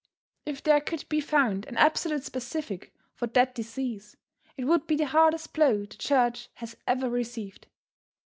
If there could be found an absolute specific for that disease, it would be the hardest blow the church has ever received.